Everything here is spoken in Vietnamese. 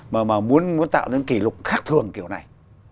mà muốn tạo những kỷ lục khắc thường kiểu này